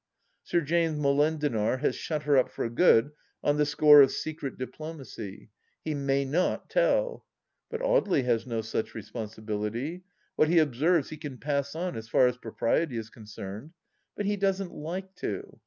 Sir James Molendinar has shut her up for good on the score of secret diplomacy. He may not tell. But Audely has no such responsibility. What he observes he can pass on as far as propriety is concerned. But he doesn't like to.